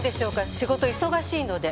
仕事忙しいので。